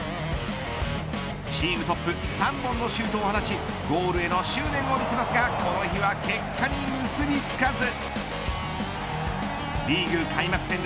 チームトップ３本のシュートを放ちゴールへの執念を見せますがこの日は結果に結びつかず。